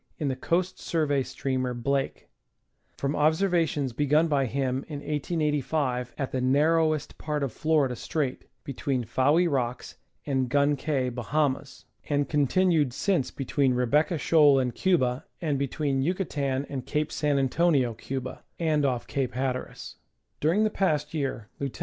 in the Coast Survey steamer Blake, from observ ations begun by him in 1885 at the narrowest part of Florida Strait, between Fowey Rocks and Gun Cay (Bah.), and continued 142 National Geographic Magazine. since between Rebecca Shoal and Cuba, and between Yucatan and Cape San Antonio (Cuba), and off Cape Hatteras, During the past year Lieut.